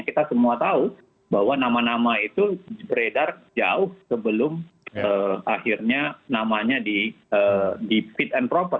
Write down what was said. kita semua tahu bahwa nama nama itu beredar jauh sebelum akhirnya namanya di fit and proper